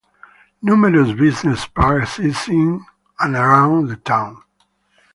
Numerous business parks exist in and around the town.